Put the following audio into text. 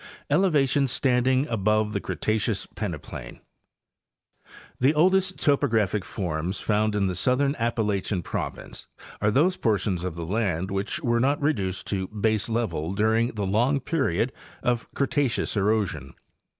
™ ELEVATIONS STANDING AS8OVE THE CRETACEOUS PENEPLAIN. The oldest topographic forms found in the southern Appa lachian province are those portions of the land which were not reduced to baselevel during the long period of Cretaceous ero sion.